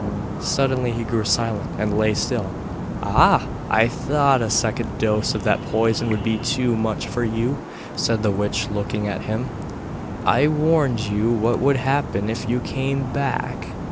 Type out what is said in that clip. Suddenly he grew silent and lay still. 'Ah! I thought a second dose of that poison would be too much for you,' said the witch looking at him. 'I warned you what would happen if you came back.